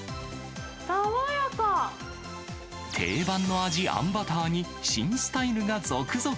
定番の味、あんバターに、新スタイルが続々。